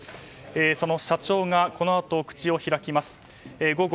その社長がこのあと口を開きます。